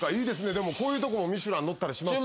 でもこういうとこも『ミシュラン』載ったりしますから。